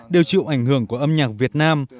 đều chịu ảnh hưởng của âm nhạc việt nam